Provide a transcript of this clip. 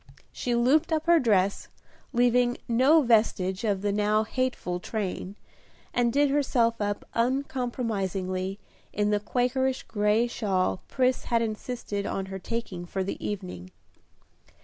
She looped up her dress, leaving no vestige of the now hateful train, and did herself up uncompromisingly in the Quakerish gray shawl Pris had insisted on her taking for the evening.